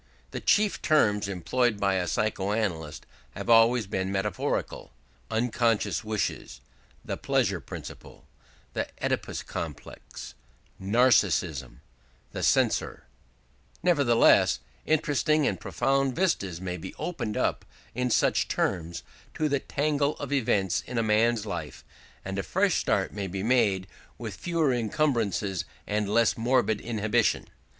The chief terms employed in psycho analysis have always been metaphorical: "unconscious wishes", "the pleasure principle", "the Oedipus complex", "Narcissism", "the censor"; nevertheless, interesting and profound vistas may be opened up, in such terms, into the tangle of events in a man's life, and a fresh start may be made with fewer encumbrances and less morbid inhibition.